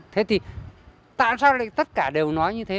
thế thì tại sao lại tất cả đều nói như thế